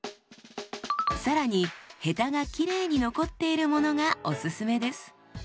更にヘタがきれいに残っているものがおすすめです。